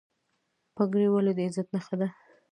پګړۍ ولې د عزت نښه ده؟